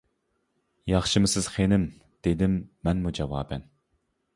— ياخشىمۇسىز خېنىم؟ — دېدىم مەنمۇ جاۋابەن.